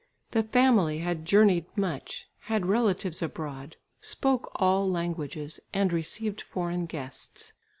The family had journeyed much, had relatives abroad, spoke all languages, and received foreign guests.